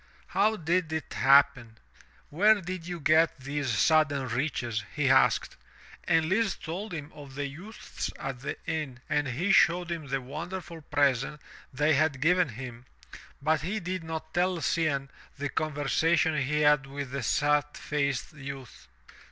"How did it happen? Where did you get these sudden riches?" he asked, and Lise told him of the youths at the inn and he showed him the wonderful present they had given him, but he did not tell Cianne the conversation he had with the sad faced youth.